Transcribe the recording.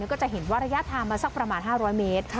ก็จะเห็นว่าระยะทางมาสักประมาณ๕๐๐เมตร